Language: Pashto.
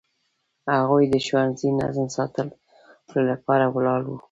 هغوی د ښوونځي نظم ساتلو لپاره ولاړ وو.